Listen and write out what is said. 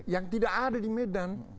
yang tidak ada di medan